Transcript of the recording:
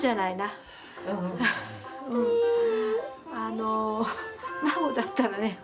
あの孫だったらね